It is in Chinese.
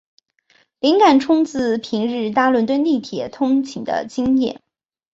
灵感出自平日搭伦敦地铁通勤的经验。